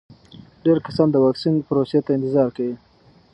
ډېر کسان د واکسین پروسې ته انتظار کوي.